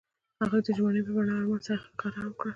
هغوی د ژمنې په بڼه آرمان سره ښکاره هم کړه.